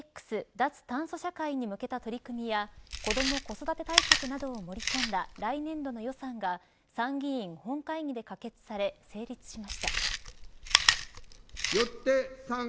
脱炭素社会に向けた取り組みや子ども子育て対策などを盛り込んだ来年度の予算が参議院本会議で可決され成立しました。